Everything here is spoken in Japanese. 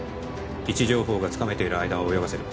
位置情報がつかめている間は泳がせる